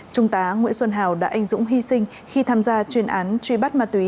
trung tá nguyễn xuân hào đã anh dũng hy sinh khi tham gia chuyên án truy bắt ma túy